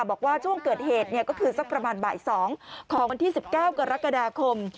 บอกว่าช่วงเกิดเหตุก็คือสักประมาณบ่าย๒ของวันที่๑๙กรกฎาคม